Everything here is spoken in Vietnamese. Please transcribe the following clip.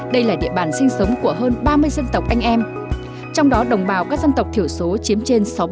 đây là địa bàn sinh sống của hơn ba mươi dân tộc anh em trong đó đồng bào các dân tộc thiểu số chiếm trên sáu mươi